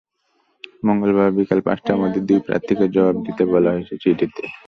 মঙ্গলবার বিকেল পাঁচটার মধ্যে দুই প্রার্থীকে জবাব দিতে বলা হয়েছে চিঠিতে।